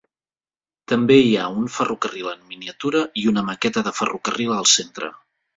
També hi ha un ferrocarril en miniatura i una maqueta de ferrocarril al Centre.